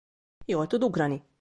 Jól tud ugrani.